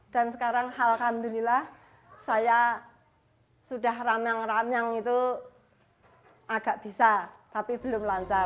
dan sekarang alhamdulillah saya sudah ramyang ramyang itu agak bisa tapi belum lancar